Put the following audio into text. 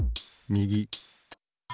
みぎ。